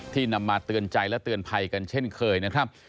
นำมาเตือนใจและเตือนภัยกันเช่นเคยนะครับ